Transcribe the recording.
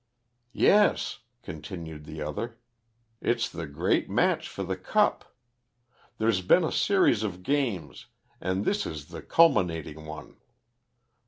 "Yes," continued the other, "it's the great match for the cup. There's been a series of games, and this is the culminating one.